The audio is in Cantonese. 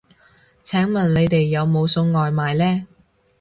請問你哋有冇送外賣呢